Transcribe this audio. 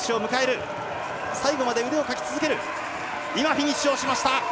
フィニッシュしました。